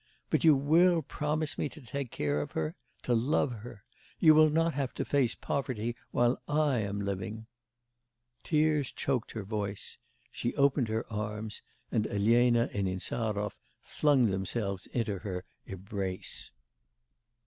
But you will promise me to take care of her to love her. You will not have to face poverty while I am living!' Tears choked her voice. She opened her arms, and Elena and Insarov flung themselves into her embrace.